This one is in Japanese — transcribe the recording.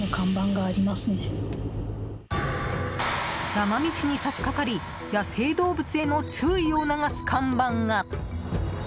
山道に差しかかり野生動物への注意を促す看板が！